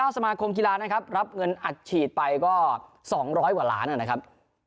สมาคมกีฬานะครับรับเงินอัดฉีดไปก็๒๐๐กว่าล้านนะครับ